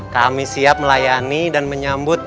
kami siap melayani dan menyambut